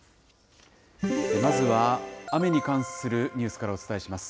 まずは雨に関するニュースからお伝えします。